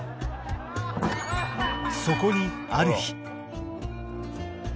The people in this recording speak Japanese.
そこにある日